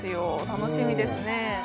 楽しみですね